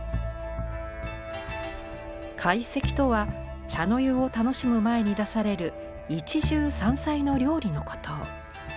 懐石とは茶の湯を楽しむ前に出される一汁三菜の料理のこと。